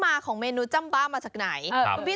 มาแต่งรูปสวยงามและกระเป๋าเป็นรูปหัวใจเป็นรูปห้อไม้